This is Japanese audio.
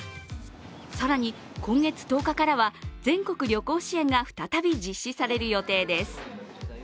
更に今月１０日からは全国旅行支援が再び実施される予定です。